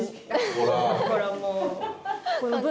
ほらもう。